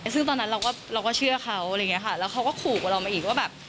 ซึ่งตอนนั้นเราก็เชื่อเขาแล้วเขาก็ขู่กับเรามาอีกว่าแบบ